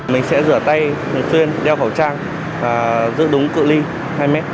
mình sẽ rửa tay thường xuyên đeo khẩu trang và giữ đúng cự ly hai mét